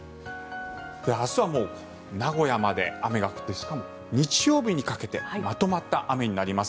明日は名古屋まで雨が降ってしかも日曜日にかけてまとまった雨になります。